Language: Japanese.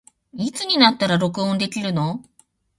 いつになったら録音できるの